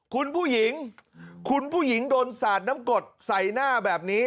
คุณผู้หญิงคุณผู้หญิงโดนสาดน้ำกดใส่หน้าแบบนี้